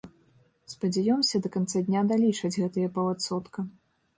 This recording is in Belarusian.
Спадзяёмся, да канца дня далічаць гэтыя паўадсотка.